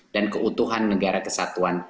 dan keutuhan negara kesatuan